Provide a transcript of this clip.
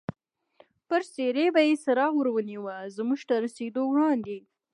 پر څېرې به یې څراغ ور ونیو، زموږ تر رسېدو وړاندې.